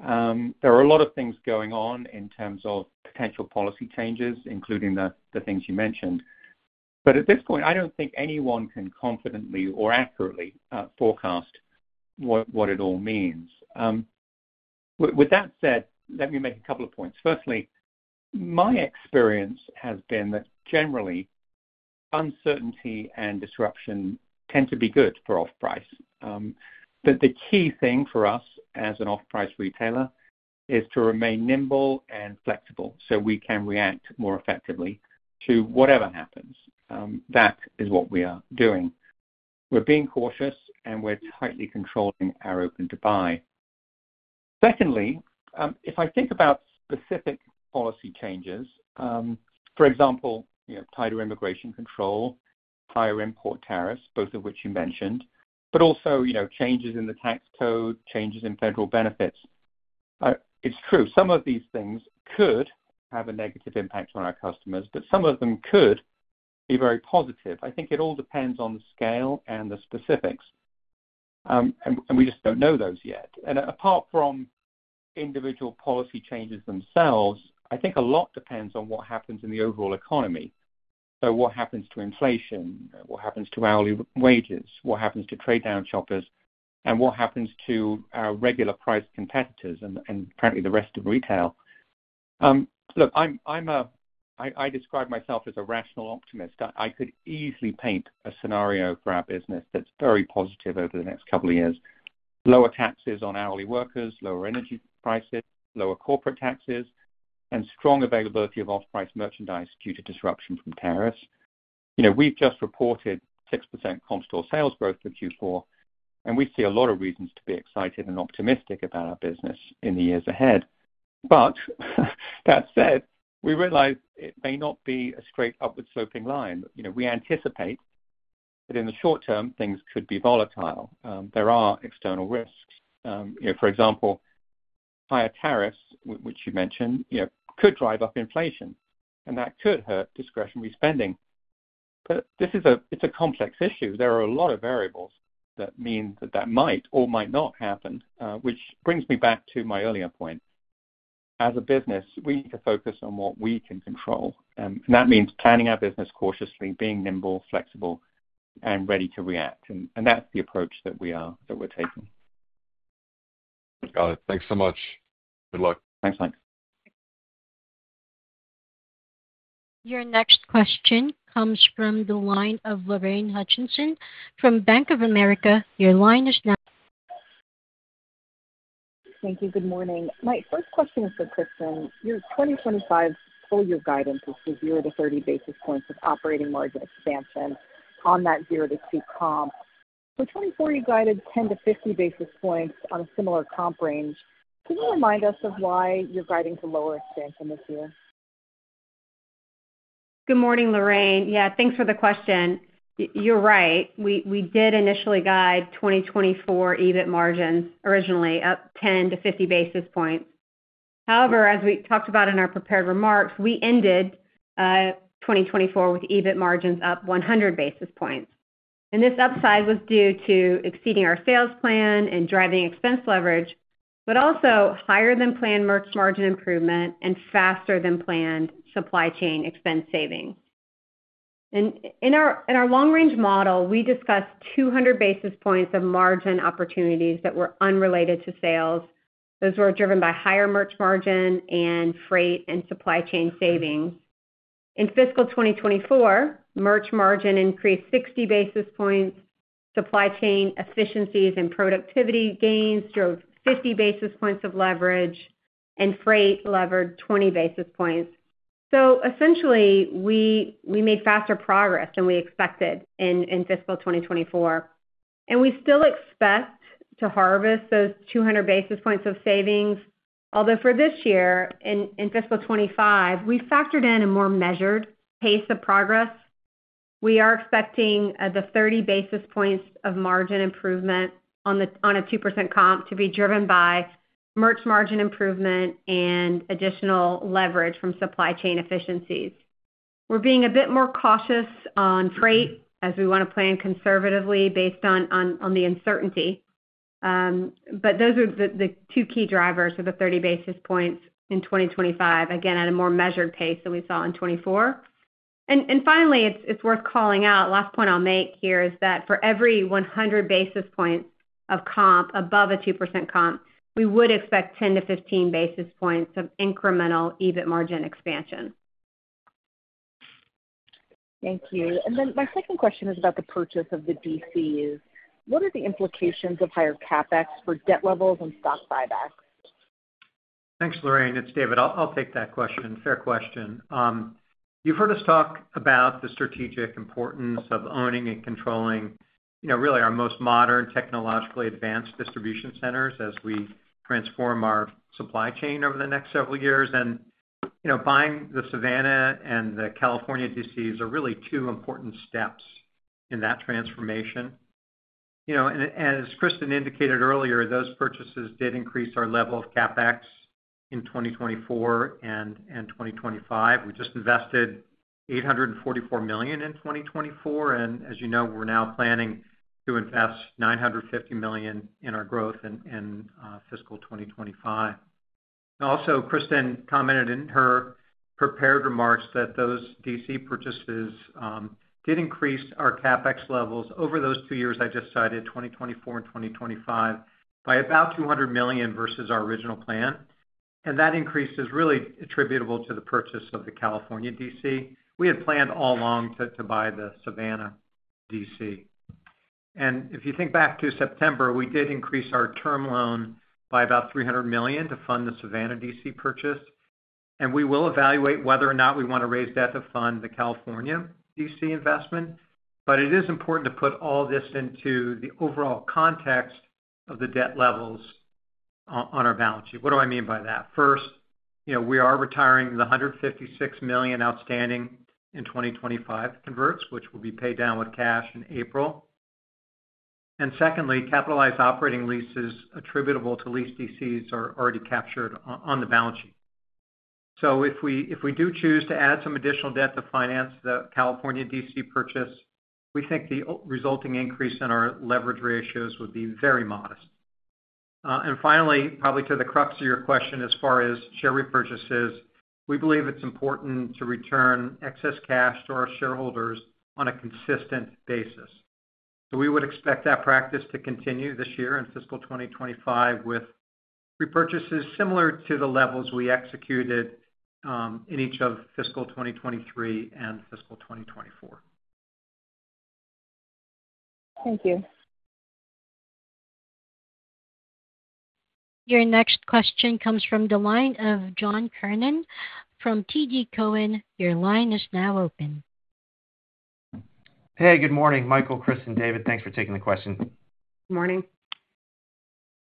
There are a lot of things going on in terms of potential policy changes, including the things you mentioned. But at this point, I don't think anyone can confidently or accurately forecast what it all means. With that said, let me make a couple of points. Firstly, my experience has been that generally, uncertainty and disruption tend to be good for off-price. But the key thing for us as an off-price retailer is to remain nimble and flexible so we can react more effectively to whatever happens. That is what we are doing. We're being cautious, and we're tightly controlling our open-to-buy. Secondly, if I think about specific policy changes, for example, tighter immigration control, higher import tariffs, both of which you mentioned, but also changes in the tax code, changes in federal benefits, it's true. Some of these things could have a negative impact on our customers, but some of them could be very positive. I think it all depends on the scale and the specifics. And we just don't know those yet. And apart from individual policy changes themselves, I think a lot depends on what happens in the overall economy. So, what happens to inflation, what happens to hourly wages, what happens to trade-down shoppers, and what happens to our regular-priced competitors and apparently the rest of retail? Look, I describe myself as a rational optimist. I could easily paint a scenario for our business that's very positive over the next couple of years: lower taxes on hourly workers, lower energy prices, lower corporate taxes, and strong availability of off-price merchandise due to disruption from tariffs. We've just reported 6% comp store sales growth for Q4, and we see a lot of reasons to be excited and optimistic about our business in the years ahead. But that said, we realize it may not be a straight upward-sloping line. We anticipate that in the short term, things could be volatile. There are external risks. For example, higher tariffs, which you mentioned, could drive up inflation, and that could hurt discretionary spending. But it's a complex issue. There are a lot of variables that mean that that might or might not happen, which brings me back to my earlier point. As a business, we need to focus on what we can control. And that means planning our business cautiously, being nimble, flexible, and ready to react. And that's the approach that we're taking. Got it. Thanks so much. Good luck. Thanks, Ike. Your next question comes from the line of Lorraine Hutchinson from Bank of America. Your line is now. Thank you. Good morning. My first question is for Kristin. Your 2025 full-year guidance is for 0-30 basis points of operating margin expansion on that 0-2 comp. For 2024, you guided 10-50 basis points on a similar comp range. Can you remind us of why you're guiding to lower expansion this year? Good morning, Lorraine. Yeah, thanks for the question. You're right. We did initially guide 2024 EBIT margins originally up 10-50 basis points. However, as we talked about in our prepared remarks, we ended 2024 with EBIT margins up 100 basis points. And this upside was due to exceeding our sales plan and driving expense leverage, but also higher-than-planned merch margin improvement and faster-than-planned supply chain expense savings. And in our long-range model, we discussed 200 basis points of margin opportunities that were unrelated to sales. Those were driven by higher merch margin and freight and supply chain savings. In fiscal 2024, merch margin increased 60 basis points. Supply chain efficiencies and productivity gains drove 50 basis points of leverage, and freight levered 20 basis points. So essentially, we made faster progress than we expected in fiscal 2024. And we still expect to harvest those 200 basis points of savings. Although for this year, in fiscal 2025, we factored in a more measured pace of progress. We are expecting the 30 basis points of margin improvement on a 2% comp to be driven by merch margin improvement and additional leverage from supply chain efficiencies. We're being a bit more cautious on freight as we want to plan conservatively based on the uncertainty. But those are the two key drivers for the 30 basis points in 2025, again, at a more measured pace than we saw in 2024. And finally, it's worth calling out, last point I'll make here is that for every 100 basis points of comp above a 2% comp, we would expect 10 to 15 basis points of incremental EBIT margin expansion. Thank you. And then my second question is about the purchase of the DCs. What are the implications of higher CapEx for debt levels and stock buybacks? Thanks, Lorraine. It's David. I'll take that question. Fair question. You've heard us talk about the strategic importance of owning and controlling really our most modern, technologically advanced distribution centers as we transform our supply chain over the next several years. And buying the Savannah and the California DCs are really two important steps in that transformation. And as Kristin indicated earlier, those purchases did increase our level of CapEx in 2024 and 2025. We just invested $844 million in 2024. And as you know, we're now planning to invest $950 million in our growth in fiscal 2025. Also, Kristin commented in her prepared remarks that those DC purchases did increase our CapEx levels over those two years I just cited, 2024 and 2025, by about $200 million versus our original plan. And that increase is really attributable to the purchase of the California DC. We had planned all along to buy the Savannah DC. And if you think back to September, we did increase our term loan by about $300 million to fund the Savannah DC purchase. And we will evaluate whether or not we want to raise debt to fund the California DC investment. But it is important to put all this into the overall context of the debt levels on our balance sheet. What do I mean by that? First, we are retiring the $156 million outstanding in 2025 converts, which will be paid down with cash in April. And secondly, capitalized operating leases attributable to leased DCs are already captured on the balance sheet. So if we do choose to add some additional debt to finance the California DC purchase, we think the resulting increase in our leverage ratios would be very modest. And finally, probably to the crux of your question as far as share repurchases, we believe it's important to return excess cash to our shareholders on a consistent basis. So we would expect that practice to continue this year in fiscal 2025 with repurchases similar to the levels we executed in each of fiscal 2023 and fiscal 2024. Thank you. Your next question comes from the line of John Kernan from TD Cowen. Your line is now open. Hey, good morning. Michael, Kristin, David, thanks for taking the question. Good morning.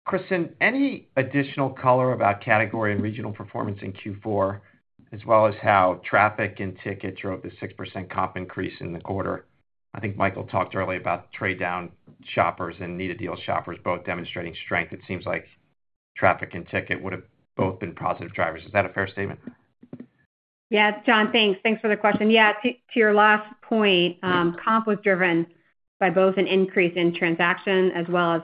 Kristin, any additional color about category and regional performance in Q4, as well as how traffic and tickets drove the 6% comp increase in the quarter? I think Michael talked early about trade-down shoppers and need a deal shoppers both demonstrating strength. It seems like traffic and ticket would have both been positive drivers. Is that a fair statement? Yeah, John, thanks. Thanks for the question. Yeah, to your last point, comp was driven by both an increase in transaction as well as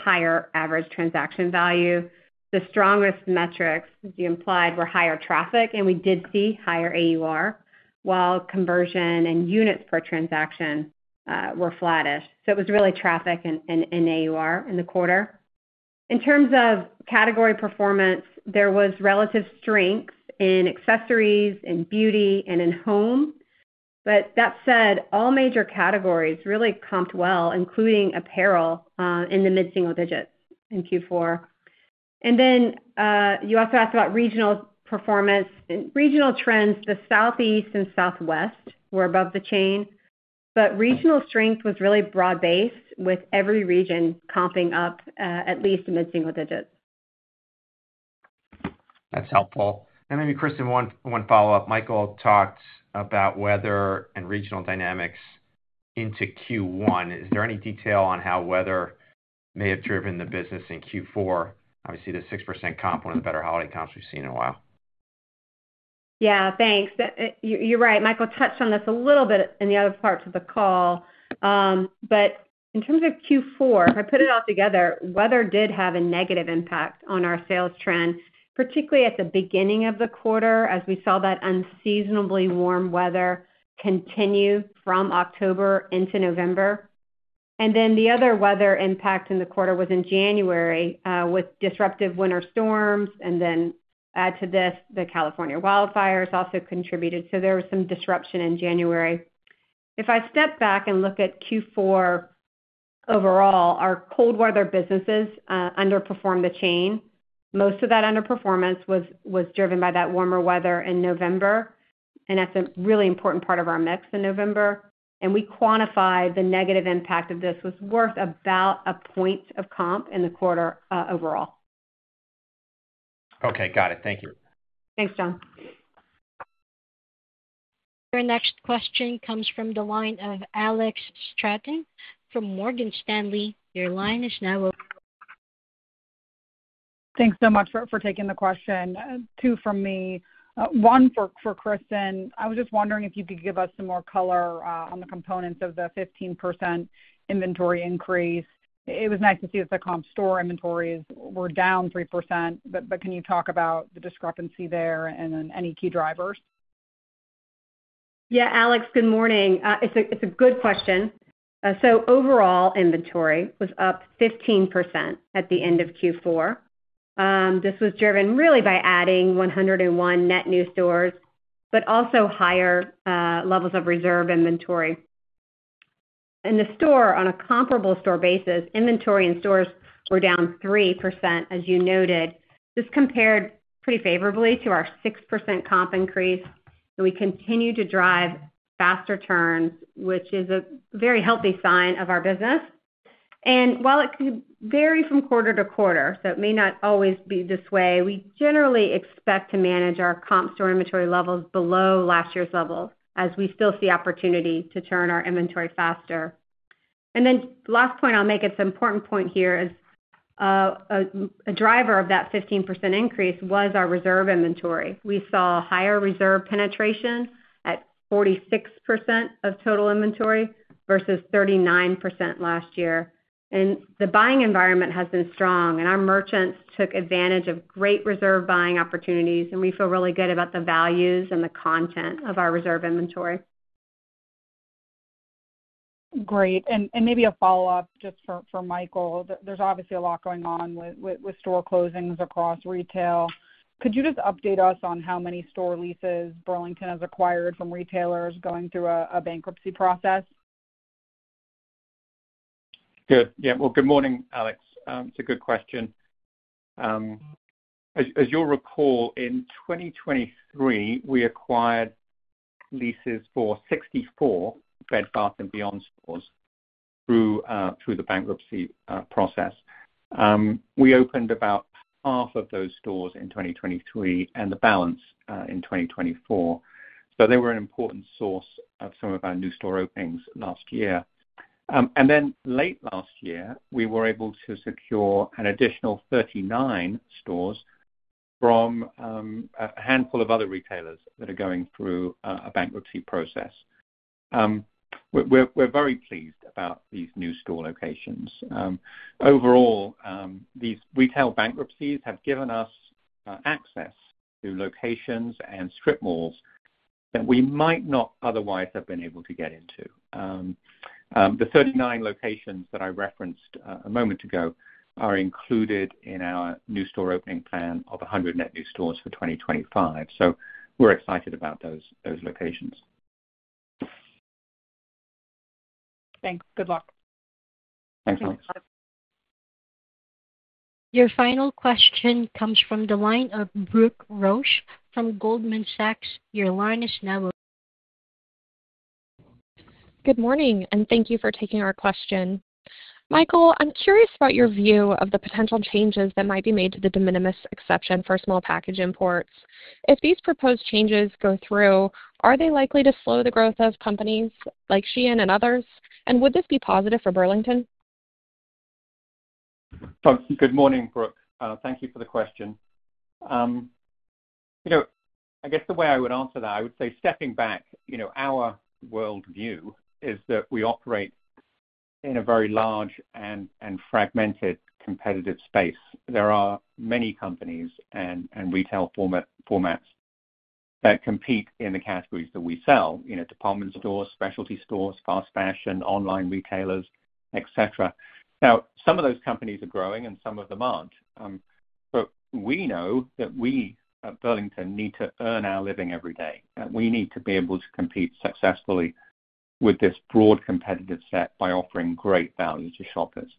higher average transaction value. The strongest metrics you implied were higher traffic, and we did see higher AUR, while conversion and units per transaction were flattish. So it was really traffic and AUR in the quarter. In terms of category performance, there was relative strength in accessories, in beauty, and in home. But that said, all major categories really comped well, including apparel, in the mid-single digits in Q4. And then you also asked about regional performance. In regional trends, the Southeast and Southwest were above the chain. But regional strength was really broad-based, with every region comping up at least mid-single digits. That's helpful. And maybe, Kristin, one follow-up. Michael talked about weather and regional dynamics into Q1. Is there any detail on how weather may have driven the business in Q4? Obviously, the 6% comp, one of the better holiday comps we've seen in a while. Yeah, thanks. You're right. Michael touched on this a little bit in the other parts of the call. But in terms of Q4, if I put it all together, weather did have a negative impact on our sales trend, particularly at the beginning of the quarter, as we saw that unseasonably warm weather continue from October into November. And then the other weather impact in the quarter was in January with disruptive winter storms. And then add to this, the California wildfires also contributed. So there was some disruption in January. If I step back and look at Q4 overall, our cold weather businesses underperformed the chain. Most of that underperformance was driven by that warmer weather in November. And that's a really important part of our mix in November. And we quantified the negative impact of this was worth about a point of comp in the quarter overall. Okay, got it. Thank you. Thanks, John. Your next question comes from the line of Alex Straton from Morgan Stanley. Your line is now open. Thanks so much for taking the question. Two from me. One for Kristin. I was just wondering if you could give us some more color on the components of the 15% inventory increase. It was nice to see that the comp store inventories were down 3%. But can you talk about the discrepancy there and then any key drivers? Yeah, Alex, good morning. It's a good question. So overall inventory was up 15% at the end of Q4. This was driven really by adding 101 net new stores, but also higher levels of reserve inventory. In the store, on a comparable store basis, inventory and stores were down 3%, as you noted. This compared pretty favorably to our 6% comp increase. And we continue to drive faster turns, which is a very healthy sign of our business. And while it could vary from quarter to quarter, so it may not always be this way, we generally expect to manage our comp store inventory levels below last year's levels, as we still see opportunity to turn our inventory faster. And then last point I'll make, it's an important point here, is a driver of that 15% increase was our reserve inventory. We saw higher reserve penetration at 46% of total inventory versus 39% last year. And the buying environment has been strong. And our merchants took advantage of great reserve buying opportunities. And we feel really good about the values and the content of our reserve inventory. Great. And maybe a follow-up just for Michael. There's obviously a lot going on with store closings across retail. Could you just update us on how many store leases Burlington has acquired from retailers going through a bankruptcy process? Good. Yeah. Well, good morning, Alex. It's a good question. As you'll recall, in 2023, we acquired leases for 64 Bed Bath & Beyond stores through the bankruptcy process. We opened about half of those stores in 2023 and the balance in 2024. So they were an important source of some of our new store openings last year. And then late last year, we were able to secure an additional 39 stores from a handful of other retailers that are going through a bankruptcy process. We're very pleased about these new store locations. Overall, these retail bankruptcies have given us access to locations and strip malls that we might not otherwise have been able to get into. The 39 locations that I referenced a moment ago are included in our new store opening plan of 100 net new stores for 2025. So we're excited about those locations. Thanks. Good luck. Thanks, Alex. Your final question comes from the line of Brooke Roach from Goldman Sachs. Your line is now open. Good morning, and thank you for taking our question. Michael, I'm curious about your view of the potential changes that might be made to the de minimis exception for small package imports. If these proposed changes go through, are they likely to slow the growth of companies like SHEIN and others? And would this be positive for Burlington? Good morning, Brooke. Thank you for the question. I guess the way I would answer that, I would say stepping back, our worldview is that we operate in a very large and fragmented competitive space. There are many companies and retail formats that compete in the categories that we sell: department stores, specialty stores, fast fashion, online retailers, etc. Now, some of those companies are growing, and some of them aren't. But we know that we at Burlington need to earn our living every day. We need to be able to compete successfully with this broad competitive set by offering great value to shoppers.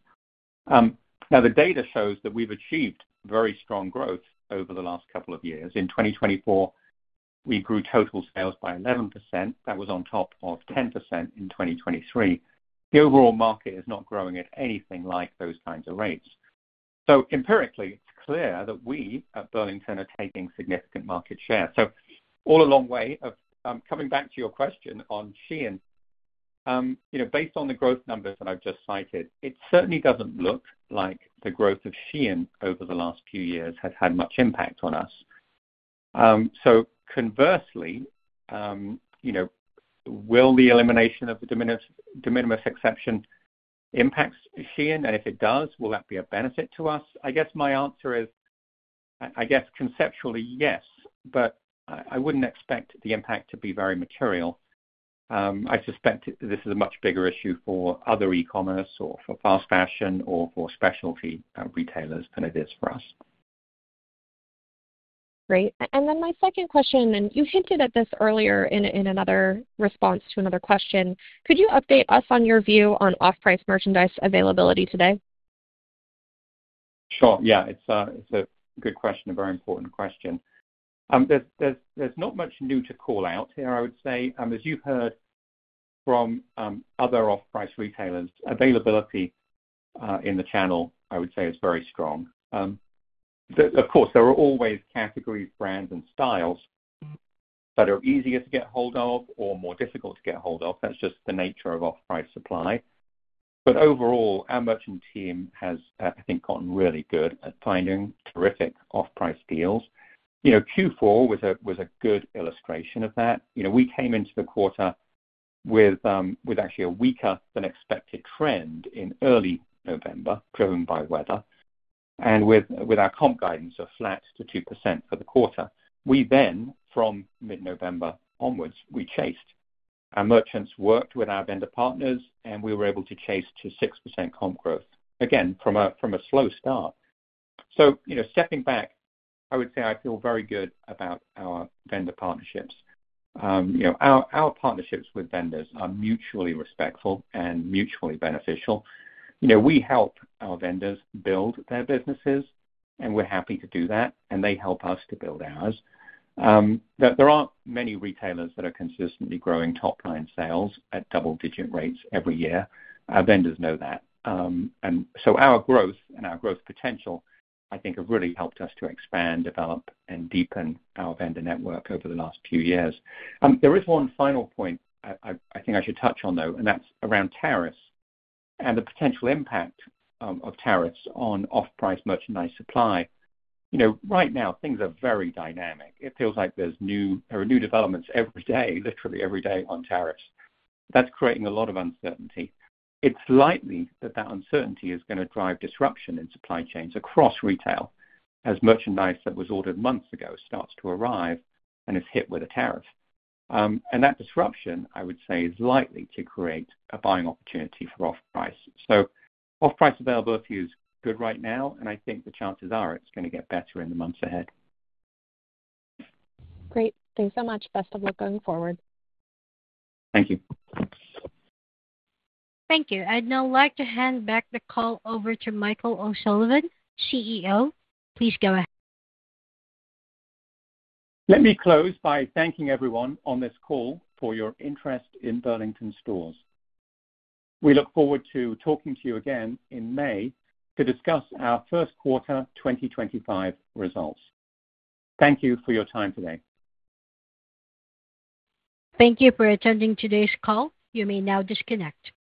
Now, the data shows that we've achieved very strong growth over the last couple of years. In 2024, we grew total sales by 11%. That was on top of 10% in 2023. The overall market is not growing at anything like those kinds of rates. So empirically, it's clear that we at Burlington are taking significant market share. So all along the way of coming back to your question on SHEIN, based on the growth numbers that I've just cited, it certainly doesn't look like the growth of SHEIN over the last few years has had much impact on us. So conversely, will the elimination of the de minimis exception impact SHEIN? And if it does, will that be a benefit to us? I guess my answer is, I guess conceptually, yes. But I wouldn't expect the impact to be very material. I suspect this is a much bigger issue for other e-commerce or for fast fashion or for specialty retailers than it is for us. Great. And then my second question, and you hinted at this earlier in another response to another question, could you update us on your view on off-price merchandise availability today? Sure. Yeah, it's a good question, a very important question. There's not much new to call out here, I would say. As you've heard from other off-price retailers, availability in the channel, I would say, is very strong. Of course, there are always categories, brands, and styles that are easier to get hold of or more difficult to get hold of. That's just the nature of off-price supply. But overall, our merchant team has, I think, gotten really good at finding terrific off-price deals. Q4 was a good illustration of that. We came into the quarter with actually a weaker-than-expected trend in early November, driven by weather. With our comp guidance of flat to 2% for the quarter, we then, from mid-November onwards, we chased. Our merchants worked with our vendor partners, and we were able to chase to 6% comp growth, again, from a slow start. Stepping back, I would say I feel very good about our vendor partnerships. Our partnerships with vendors are mutually respectful and mutually beneficial. We help our vendors build their businesses, and we're happy to do that. And they help us to build ours. There aren't many retailers that are consistently growing top-line sales at double-digit rates every year. Our vendors know that. And so our growth and our growth potential, I think, have really helped us to expand, develop, and deepen our vendor network over the last few years. There is one final point I think I should touch on, though, and that's around tariffs and the potential impact of tariffs on off-price merchandise supply. Right now, things are very dynamic. It feels like there are new developments every day, literally every day on tariffs. That's creating a lot of uncertainty. It's likely that that uncertainty is going to drive disruption in supply chains across retail as merchandise that was ordered months ago starts to arrive and is hit with a tariff. And that disruption, I would say, is likely to create a buying opportunity for off-price. So off-price availability is good right now. And I think the chances are it's going to get better in the months ahead. Great. Thanks so much. Best of luck going forward. Thank you. Thank you. I'd now like to hand back the call over to Michael O'Sullivan, CEO. Please go ahead. Let me close by thanking everyone on this call for your interest in Burlington Stores. We look forward to talking to you again in May to discuss our first quarter 2025 results. Thank you for your time today. Thank you for attending today's call. You may now disconnect.